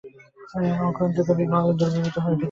অ-গ্রহণযোগ্যতা বিবাহ দ্রবীভূত হওয়ার ভিত্তি হতে পারে।